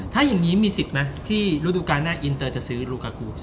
ถ้าอย่างนี้มีสิทธิ์ไหมที่ฤดูการหน้าอินเตอร์จะซื้อลูกากู